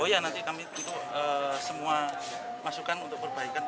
oh ya nanti kami untuk semua masukan untuk perbaikan